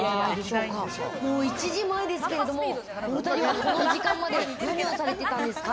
もう１時前ですけれども、この時間まで何をされてたんですか？